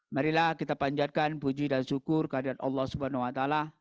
marilah kita panjatkan puji dan syukur kehadiran allah swt